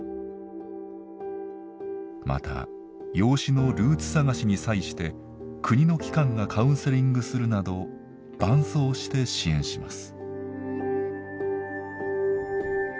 また養子のルーツ探しに際して国の機関がカウンセリングするなど伴走して支援します。